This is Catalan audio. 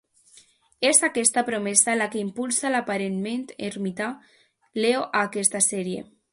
És aquesta promesa la que impulsa l'aparentment ermità Leo a aquesta sèrie.